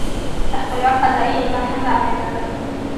خپلواک قضايي ارګان هم رامنځته کړل.